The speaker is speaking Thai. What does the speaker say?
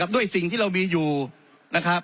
ด้วยสิ่งที่เรามีอยู่นะครับ